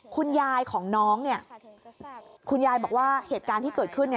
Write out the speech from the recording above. คุณยายของน้องคุณยายบอกว่าเหตุการณ์ที่เกิดขึ้น